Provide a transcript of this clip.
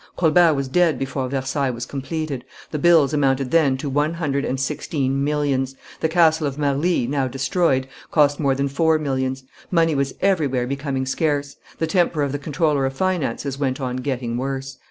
Colbert was dead before Versailles was completed; the bills amounted then to one hundred and sixteen millions; the castle of Marly, now destroyed, cost more than four millions; money was everywhere becoming scarce; the temper of the comptroller of finances went on getting worse.